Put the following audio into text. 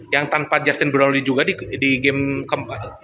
yang tanpa justin brody juga di game